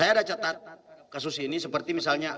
saya ada catat kasus ini seperti misalnya